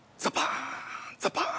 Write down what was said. ザッパーン！